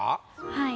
はい。